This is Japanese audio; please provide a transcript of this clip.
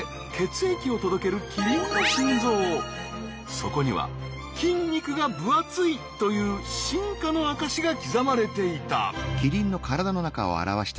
そこには筋肉が分厚いという進化の証しが刻まれていた。